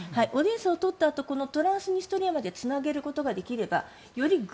オデーサを取ったあとこのトランスニストリアまでつなげることができればより